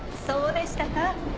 そうでしたか。